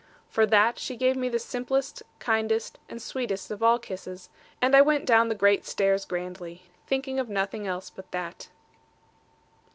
For that she gave me the simplest, kindest, and sweetest of all kisses; and I went down the great stairs grandly, thinking of nothing else but that.